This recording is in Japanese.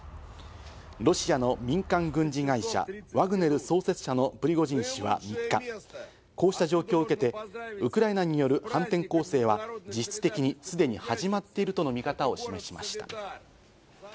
ロシアの民間軍事会社・ワグネル創設者のプリゴジン氏は３日、こうした状況を受けて、ウクライナによる反転攻勢は実質的にすでに始まっているとの見方を示しました。